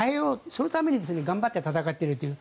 そのために頑張って戦っているという。